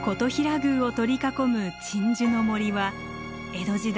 宮を取り囲む鎮守の森は江戸時代